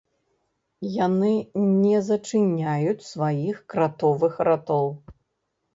Яны не зачыняюць сваіх кратовых ратоў.